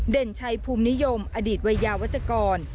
เด่นไชภูมินิยมอดีตไวยาวัจกร